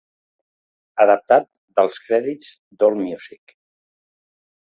Adaptat dels crèdits d'AllMusic.